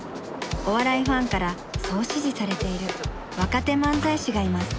お笑いファンからそう支持されている若手漫才師がいます。